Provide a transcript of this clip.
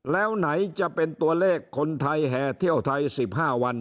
แล้วไหนจะเป็นตัวเลขคนไทยแห่เที่ยวไทย๑๕วัน